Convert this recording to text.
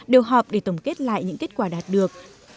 đều họp để tổng kết lại những kết quả đạt được